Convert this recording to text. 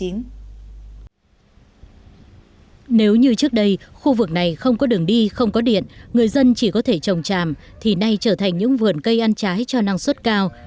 nếu như trước đây khu vực này không có đường đi không có điện người dân chỉ có thể trồng tràm thì nay trở thành những vườn cây ăn trái cho năng suất cao